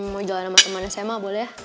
mau jalan sama temannya saya mah boleh ya